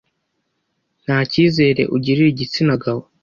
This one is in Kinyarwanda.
ntakizere ugirira igitsina gabo